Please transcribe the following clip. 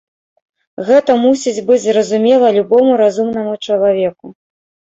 І гэта мусіць быць зразумела любому разумнаму чалавеку.